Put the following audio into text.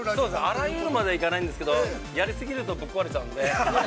◆あらゆるまでいかないんですけれども、やり過ぎるとぶっ壊れちゃうので。